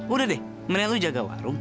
udah deh mendingan lu jaga warung